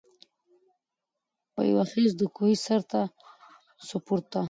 په یوه خېز د کوهي سرته سو پورته